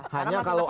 hanya kalau ada